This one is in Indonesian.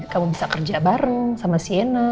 kamu bisa kerja bareng sama siena